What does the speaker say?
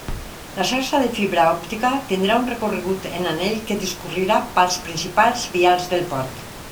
La xarxa de fibra òptica tindrà un recorregut en anell que discorrerà pels principals vials del parc.